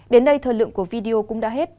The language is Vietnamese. đến đây thời lượng của video cũng đã hết